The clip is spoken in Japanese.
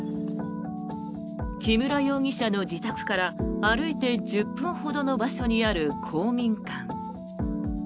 木村容疑者の自宅から歩いて１０分ほどの場所にある公民館。